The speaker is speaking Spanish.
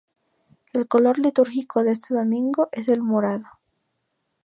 El color litúrgico de este domingo es el morado.